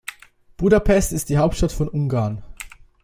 Budapest ist die Hauptstadt von Ungarn.